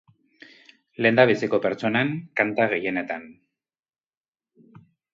Lehendabiziko pertsonan, kanta gehienetan.